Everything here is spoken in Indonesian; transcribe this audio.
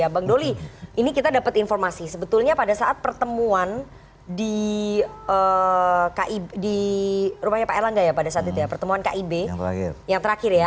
bang doli ini kita dapat informasi sebetulnya pada saat pertemuan di kib yang terakhir ya